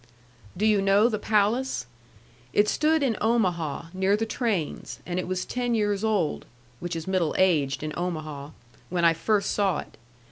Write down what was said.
Did you know the palace? It stood in Omaha, near the trains, and it was ten years old (which is middle aged in Omaha) when I first saw it.